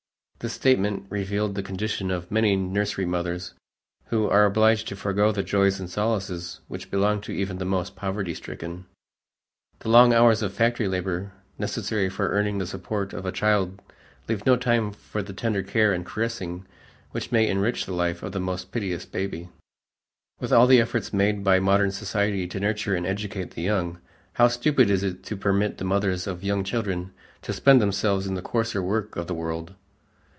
This statement revealed the condition of many nursery mothers who are obliged to forego the joys and solaces which belong to even the most poverty stricken. The long hours of factory labor necessary for earning the support of a child leave no time for the tender care and caressing which may enrich the life of the most piteous baby. With all of the efforts made by modern society to nurture and educate the young, how stupid it is to permit the mothers of young children to spend themselves in the coarser work of the world!